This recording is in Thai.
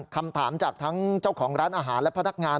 คำถามจากทั้งเจ้าของร้านอาหารและพนักงาน